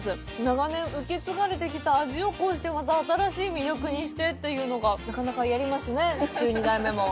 長年受け継がれてきた味を、こうしてまた新しい魅力にしてというのがなかなかやりますね、１２代目も。